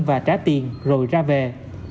và trả tiền rồi ra về